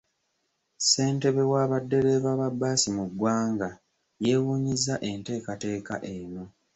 Ssentebe wa baddereeva ba bbaasi mu ggwanga yeewuunyizza enteekateeka eno.